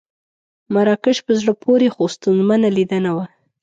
مراکش په زړه پورې خو ستونزمنه لیدنه وه.